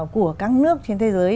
của các nước trên thế giới